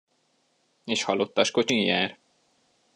És halottaskocsin jár?